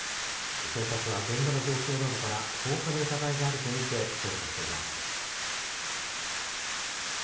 警察は、現場の状況などから、放火の疑いがあると見て捜査しています。